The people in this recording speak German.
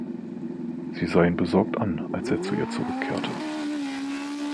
Sie sah ihn besorgt an, als er zu ihr zurückkehrte.